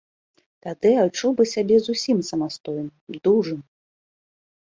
Тады адчуў бы сябе зусім самастойным, дужым.